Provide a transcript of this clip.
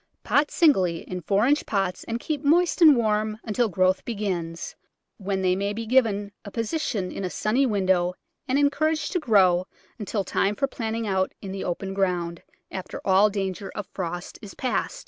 Pot singly in four inch pots and keep moist and warm until growth begins, when they may be given a posi tion in a sunny window, and encouraged to grow until time for planting out in the open ground, after all danger of frost is past.